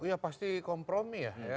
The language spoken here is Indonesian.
ya pasti kompromi ya